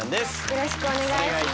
よろしくお願いします。